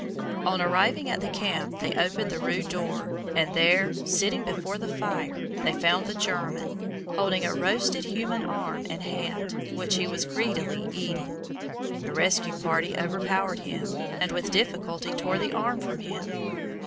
On arriving at the camp they opened the rude door, and there, sitting before the fire, they found the German, holding a roasted human arm and hand, which he was greedily eating. The rescue party overpowered him, and with difficulty tore the arm from him.